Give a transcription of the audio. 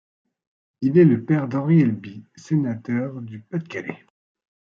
Il est le père d'Henri Elby, sénateur du Pas-de-Calais.